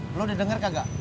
lo udah denger kagak